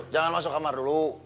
jangan masuk kamar dulu